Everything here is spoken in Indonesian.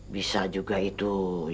bisa juga itu